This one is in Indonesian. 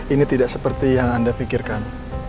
ini tidak seperti yang anda pikirkan